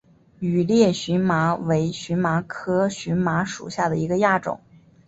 羽裂荨麻为荨麻科荨麻属下的一个亚种。